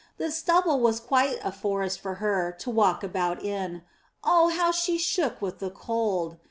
The stubble was quite a forest for her to walk about in; oh, how she shook with the cold!